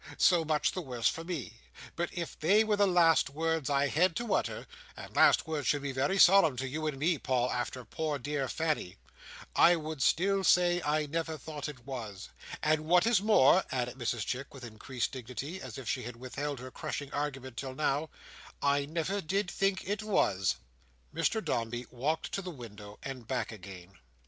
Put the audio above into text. So much the worse for me. But if they were the last words I had to utter—and last words should be very solemn to you and me, Paul, after poor dear Fanny—I would still say I never thought it was. And what is more," added Mrs Chick with increased dignity, as if she had withheld her crushing argument until now, "I never did think it was." Mr Dombey walked to the window and back again.